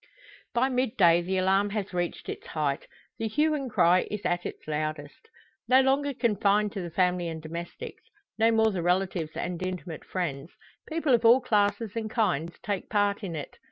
By midday the alarm has reached its height the hue and cry is at its loudest. No longer confined to the family and domestics no more the relatives and intimate friends people of all classes and kinds take part in it.